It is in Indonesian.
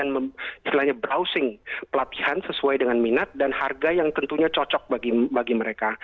istilahnya browsing pelatihan sesuai dengan minat dan harga yang tentunya cocok bagi mereka